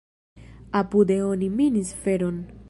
Apude oni minis feron.